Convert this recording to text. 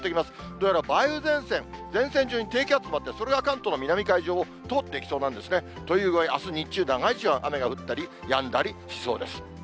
どうやら梅雨前線、前線上に低気圧もあって、それが関東の南海上を通っていきそうなんですね。という具合、あす日中、長い時間、雨が降ったりやんだりしそうです。